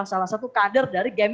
salah satu kader dari